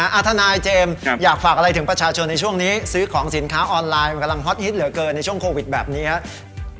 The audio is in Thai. ทนายเจมส์อยากฝากอะไรถึงประชาชนในช่วงนี้ซื้อของสินค้าออนไลน์มันกำลังฮอตฮิตเหลือเกินในช่วงโควิดแบบนี้ครับ